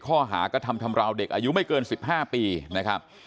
ข้อหากระทำชำราวเด็กอายุไม่เกิน๑๕ปีนะครับ